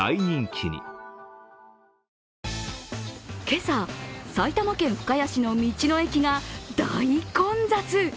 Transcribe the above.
今朝、埼玉県深谷市の道の駅が大混雑。